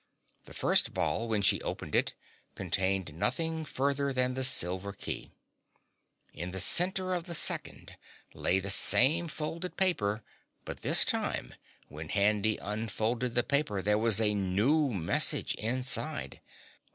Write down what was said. The first ball when she opened it contained nothing further than the silver key. In the center of the second lay the same folded paper, but this time when Handy unfolded the paper there was a new message inside.